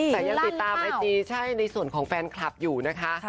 แต่ยังติดตามไอจีใช่ในส่วนของแฟนคลับอยู่นะคะ